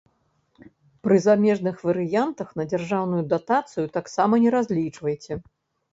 Пры замежных варыянтах на дзяржаўную датацыю таксама не разлічвайце.